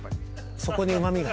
そこにうまみが。